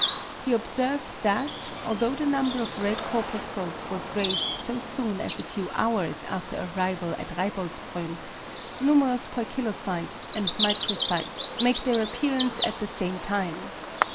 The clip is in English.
He observed that, although the number of red corpuscles was raised so soon as a few hours after arrival at Reiboldsgrün, numerous poikilocytes and microcytes make their appearance at the same time.